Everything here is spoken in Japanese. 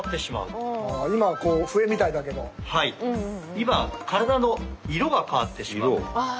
２番体の色が変わってしまう。